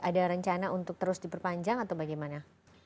ada rencana untuk terus diperpanjang atau bagaimana